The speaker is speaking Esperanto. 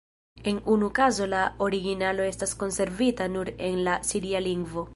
En unu kazo la originalo estas konservita nur en la siria lingvo.